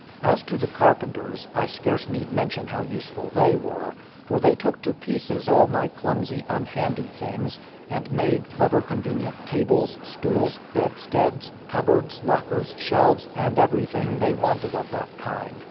As to the carpenters, I scarce need mention how useful they were; for they took to pieces all my clumsy, unhandy things, and made clever convenient tables, stools, bedsteads, cupboards, lockers, shelves, and everything they wanted of that kind.